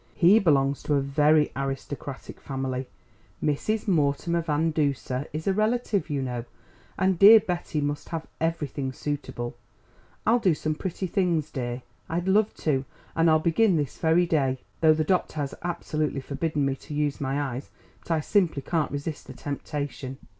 He belongs to a very aristocratic family Mrs. Mortimer Van Duser is a relative, you know; and dear Betty must have everything suitable. I'll do some pretty things, dear; I'd love to, and I'll begin this very day, though the doctor has absolutely forbidden me to use my eyes; but I simply can't resist the temptation."